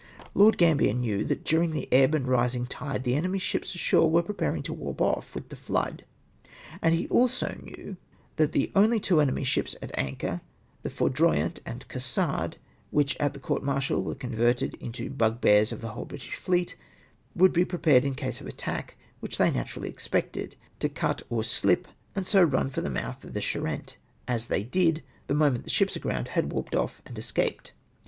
Lord Gambler knew, that during the ebb and rising tide, the enemy's ships ashore were preparmg to warp off with the flood, and he also knew that the only two enemy's ships at anchor, the Foudroyant and Cassard, which at tlie court martial were converted into bug bears to the whole British fleet, w^ould be prepared in case of the attack Avhich they naturally expected, to cut or slip, and so run for the mouth of the Charente as they did, the moment the shi]:ts aground had warped ofi and escaped.